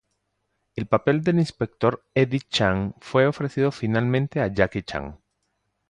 El papel del inspector Eddie Chan fue ofrecido finalmente a Jackie Chan.